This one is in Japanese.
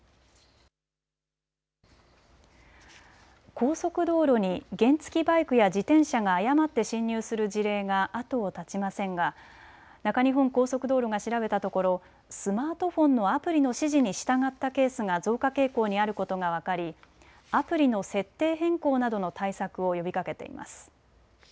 高速道路に原付きバイクや自転車が誤って進入する事例が後を絶ちませんが中日本高速道路が調べたところスマートフォンのアプリの指示に従ったケースが増加傾向にあることが分かり、アプリの設定変更などの対策を呼びかけています。